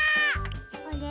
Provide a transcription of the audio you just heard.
あれ？